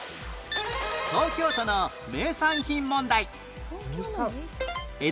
東京都の名産品問題